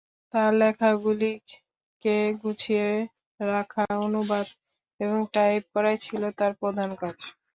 তাঁর লেখাগুলোকে গুছিয়ে রাখা, অনুবাদ এবং টাইপ করাই ছিল তাঁর প্রধান কাজ।